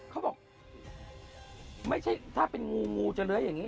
เขาบอกไม่ใช่ถ้าเป็นงูงูจะเลื้อยอย่างนี้